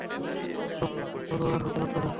টপটপ করে তার তলোয়ার হতে রক্ত ঝরছে।